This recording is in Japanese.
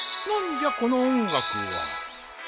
何じゃこの音楽は。